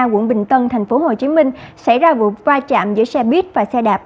quận bình tân tp hcm xảy ra vụ vai trạm giữa xe buýt và xe đạp